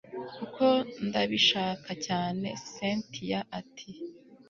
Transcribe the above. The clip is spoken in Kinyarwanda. kuko ndabishaka cyane cyntia ati